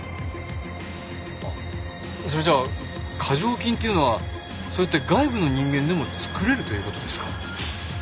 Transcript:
あっそれじゃあ過剰金っていうのはそうやって外部の人間でも作れるという事ですか？